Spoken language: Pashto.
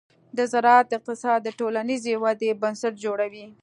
د زراعت اقتصاد د ټولنیزې ودې بنسټ جوړوي.